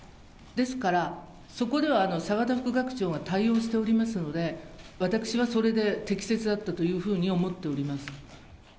ですから、そこでは澤田副学長が対応しておりますので、私はそれで適切だったというふうに思っております。